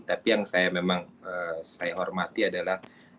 tapi yang saya memang saya hormati adalah